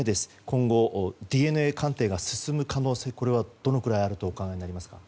今後、ＤＮＡ鑑定が進む可能性はどのくらいあるとお考えになりますか？